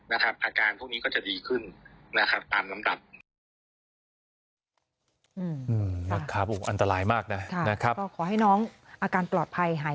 อาการพวกนี้ก็จะดีขึ้นตามน้ำตัด